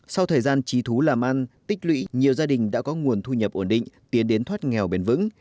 sau thời gian trí thú làm ăn tích lụy nhiều gia đình đã có nguồn thu nhập ổn định tiến đến thoát nghèo bền vững